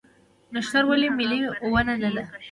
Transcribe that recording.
نښتر ولې ملي ونه ده؟